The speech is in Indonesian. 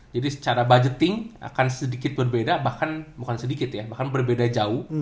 jadi secara budgeting akan sedikit berbeda bahkan bukan sedikit ya bahkan berbeda jauh